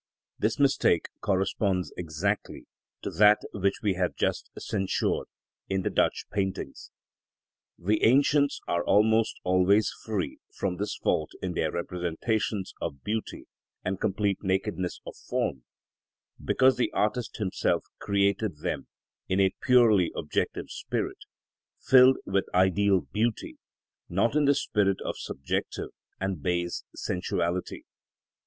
This mistake corresponds exactly to that which we have just censured in the Dutch paintings. The ancients are almost always free from this fault in their representations of beauty and complete nakedness of form, because the artist himself created them in a purely objective spirit, filled with ideal beauty, not in the spirit of subjective, and base sensuality.